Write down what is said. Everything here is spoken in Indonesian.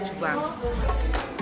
dan juga menemukan rumah sakit